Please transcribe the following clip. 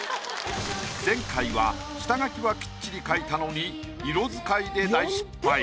前回は下書きはきっちり描いたのに色使いで大失敗。